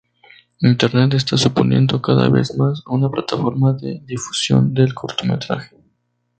Internet está suponiendo cada vez más una plataforma de difusión del cortometraje.